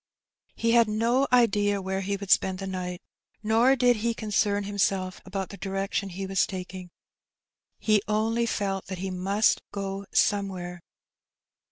He had no idea where he would spend the night, nor did he concern himself about the direction he was taking; he only felt that he must go somewhere.